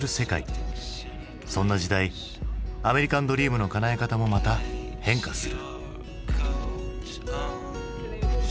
そんな時代アメリカン・ドリームのかなえ方もまた変化する。